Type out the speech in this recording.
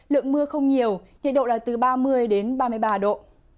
lượng mưa không nhiều nhiệt độ là từ ba mươi đến ba mươi ba độ